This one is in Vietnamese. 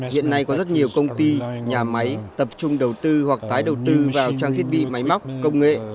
hiện nay có rất nhiều công ty nhà máy tập trung đầu tư hoặc tái đầu tư vào trang thiết bị máy móc công nghệ